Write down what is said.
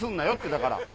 だから。